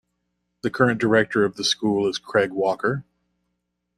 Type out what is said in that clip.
The current director of the School is Craig Walker.